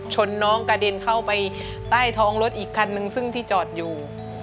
น้องกระเด็นเข้าไปใต้ท้องรถอีกคันนึงซึ่งที่จอดอยู่